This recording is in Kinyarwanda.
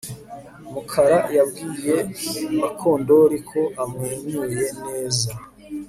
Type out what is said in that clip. Mukara yabwiye Mukandoli ko amwenyuye neza